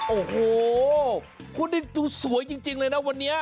โอ้โหคุณนี่ดูสวยจริงเลยนะวันนี้